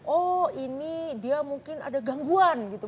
oh ini dia mungkin ada gangguan gitu